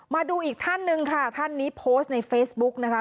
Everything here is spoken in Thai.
มาดูอีกท่านหนึ่งค่ะท่านนี้โพสต์ในเฟซบุ๊กนะคะ